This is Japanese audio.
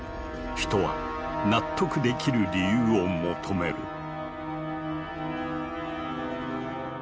人は納得できる理由を求める。